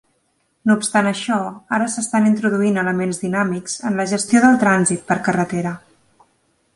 No obstant això, ara s'estan introduint elements dinàmics en la gestió del trànsit per carretera.